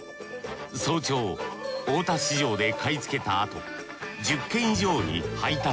早朝大田市場で買い付けたあと１０軒以上に配達。